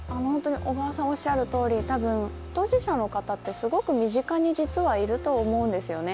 小川さんおっしゃるとおり、多分、当事者の方ってすごく身近にいらっしゃると思うんですよね。